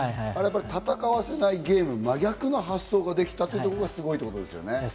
戦わせないゲーム、真逆の発想ができたというところがすごいということですね。